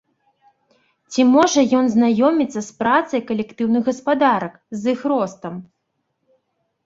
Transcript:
Ці можа ён знаёміцца з працай калектыўных гаспадарак, з іх ростам?